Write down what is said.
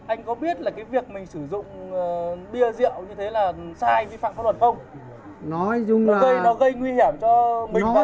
anh có biết việc mình sử dụng bia rượu như thế là sai vi phạm pháp luật không